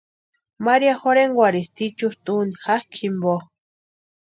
María jorhenkwarhisti ichusta úni jakʼi jimpo.